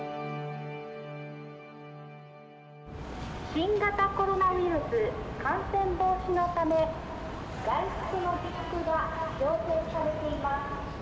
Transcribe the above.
新型コロナウイルス感染防止のため外出の自粛が要請されています。